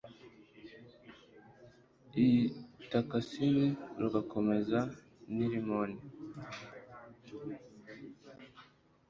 i itakasini, rugakomeza n'i rimoni